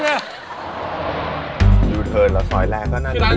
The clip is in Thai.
อ่ะอยู่ทิศหรอซอยแลกละนะนี่เช้ย